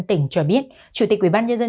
tỉnh cho biết chủ tịch ủy ban nhân dân